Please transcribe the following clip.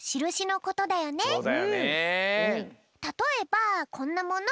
たとえばこんなもの。